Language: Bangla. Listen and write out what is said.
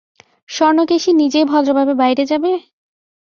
স্বর্ণকেশী, নিজেই ভদ্রভাবে বাইরে যাবে?